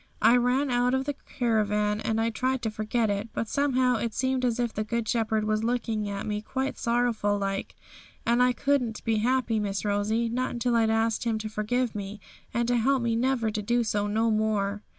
Well, I ran out of the caravan, and I tried to forget it; but somehow it seemed as if the Good Shepherd was looking at me quite sorrowful like; and I couldn't be happy, Miss Rosie, not until I'd asked Him to forgive me, and to help me never to do so no more.'